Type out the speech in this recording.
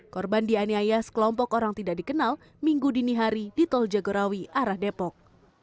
korban dianiaya sekelompok orang tidak dikenal minggu dini hari di tol jagorawi arah depok